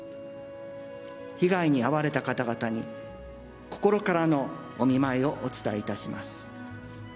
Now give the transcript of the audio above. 被害に遭われた方々に、心からのお見舞いをお伝えいたします。